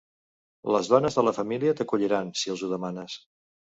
Les dones de la família t'acolliran, si els ho demanes.